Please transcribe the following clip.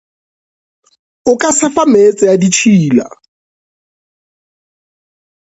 O ka sefa meetse a ditšhila.